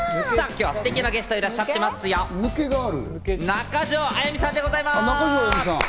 今日はすてきなゲストがいらっしゃってますよ、中条あやみさんでございます。